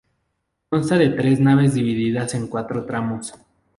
Consta de tres naves divididas en cuatro tramos.